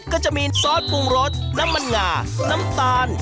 ก็จะมีซอสปรุงรสน้ำมันงาน้ำตาล